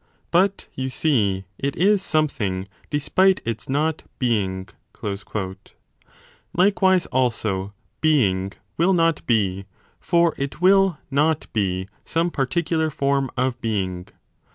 But, you see, it zs something, despite its not being 1 Likewise also, Being will not be ; for it will not be some particular form of 35 being.